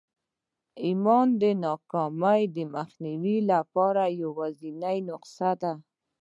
ایمان د ناکامۍ د مخنیوي لپاره یوازېنۍ نسخه ده